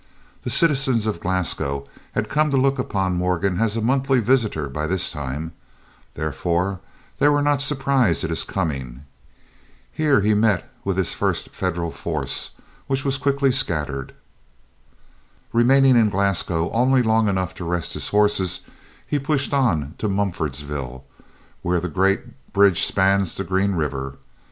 The citizens of Glasgow had come to look upon Morgan as a monthly visitor by this time; therefore they were not surprised at his coming. Here he met with the first Federal force, which was quickly scattered. Remaining in Glasgow only long enough to rest his horses, he pushed on for Mumfordsville, where the great bridge spans the Green River.